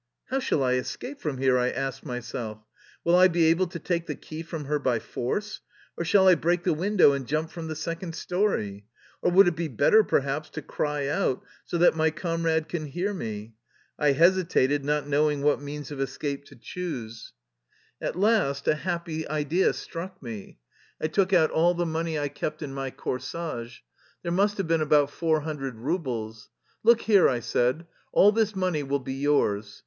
How shall I escape from here? I asked myself. Will I be able to take the key from her by force, or shall I break the window and jump from the second story? Or would it be better, perhaps, to cry out so that my comrade can hear me? I hesitated, not knowing what means of escape to choose. 246 THE LIFE STOEY OF A EUSSIAN EXILE At last a happy idea struck me. I took out all the money I kept in my corsage. There must have been about four hundred rubles. " Look here/' I said, " all this money will be yours."